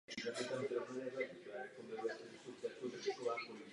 Místní ekonomika je založena stále na zemědělství ale jen z menší části.